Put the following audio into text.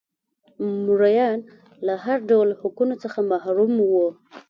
مریان له هر ډول حقونو محروم وو.